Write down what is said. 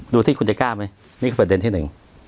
ที่คุณจะกล้าไหมนี่คือประเด็นที่หนึ่ง